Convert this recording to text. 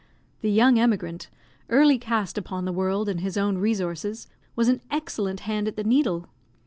The young emigrant, early cast upon the world and his own resources, was an excellent hand at the needle.